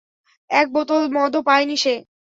এক বোতল মদও পায়নি সে।